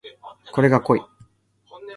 これが濃い